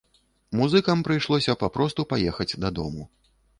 Музыкам прыйшлося папросту паехаць дадому.